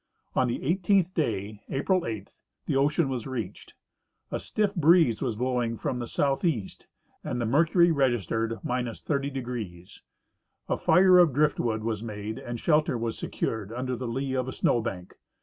On the eighteenth day, April 8, the ocean was reached. A stiff breeze was blowing from the southeast and the mercury registered — 30°. A fire of driftwood was made and shelter was secured under the lee of a snow bank.